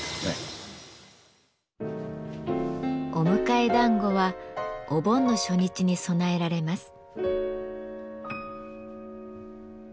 お迎え団子はお盆の初日に供えられます。